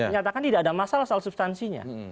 menyatakan tidak ada masalah soal substansinya